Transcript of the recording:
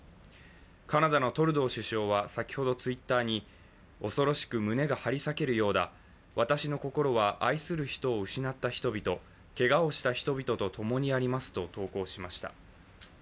カナダのトルドー首相は先ほどＴｗｉｔｔｅｒに、恐ろしく胸が張り裂けるようだ、私の心は愛する人を失った人々、けがをした人々とともにありますと投稿しました。